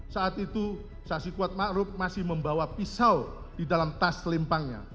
saat itu saksi kuat makrub masih membawa pisau di dalam tas selimpangnya